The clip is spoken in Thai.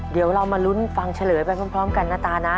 เดี๋ยวเรามาลุ้นฟังเฉลยไปพร้อมกันนะตานะ